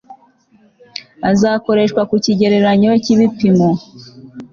azakoreshwa ku kigereranyo cy ibipimo